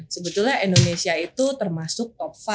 sebetulnya indonesia itu termasuk top lima